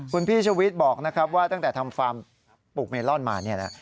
คุณพี่ชวิตบอกนะครับว่าตั้งแต่ทำฟาร์มปลูกเมลอนมาเนี่ยนะ